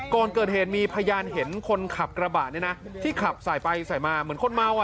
ก่อนเกิดเหตุมีพยานเห็นคนขับกระบะเนี่ยนะที่ขับสายไปสายมาเหมือนคนเมาอ่ะ